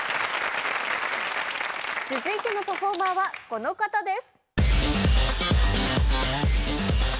続いてのパフォーマーはこの方です。